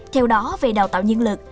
theo đó về đào tạo nhân lực